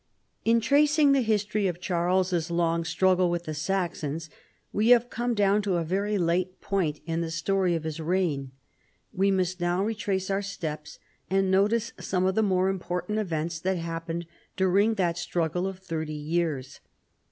In tracing the history of Charles's long struggle with the Saxons we have come down to a very late point in the story of his reign. We must now re trace our steps and notice some of the more im portant events that happened during that struggle of thirty years.